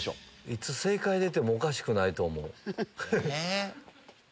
いつ正解出てもおかしくないと思う。